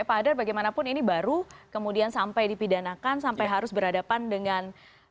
pak hadar bagaimanapun ini baru kemudian sampai dipidanakan sampai harus berhadapan dengan